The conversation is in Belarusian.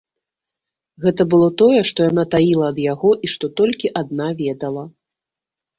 Гэта было тое, што яна таіла ад яго і што толькі адна ведала.